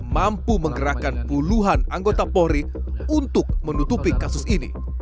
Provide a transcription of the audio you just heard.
mampu menggerakkan puluhan anggota polri untuk menutupi kasus ini